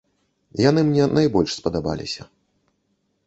Яны мне найбольш спадабаліся.